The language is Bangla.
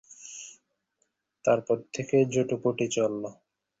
গাছ আবার কথা কলা শিখল কবে?